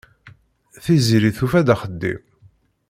Tiziri tufa-d axeddim.